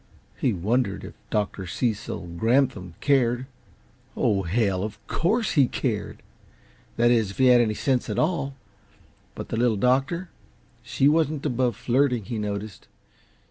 He wondered if Dr. Cecil Granthum cared oh, hell! Of COURSE he cared that is, if he had any sense at all. But the Little Doctor she wasn't above flirting, he noticed.